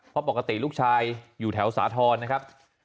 เพราะปกติลูกชายอยู่แถวสาธรณ์นะครับ